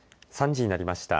３時になりました。